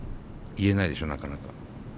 言えないでしょなかなか？